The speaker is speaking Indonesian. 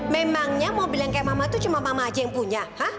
memangnya mobil yang kayak mama itu cuma mama aja yang punya